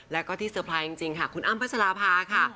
แล้วก็ที่สุดท้ายจริงค่ะคุณอ้ำพระศรภาค่ะ